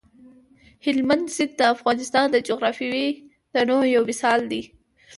هلمند سیند د افغانستان د جغرافیوي تنوع یو مثال دی.